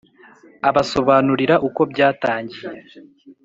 abasobanurira uko byatangiye.